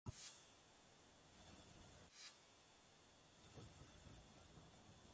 黄色い線までお下がりください。